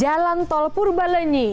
jalan tol purbaleni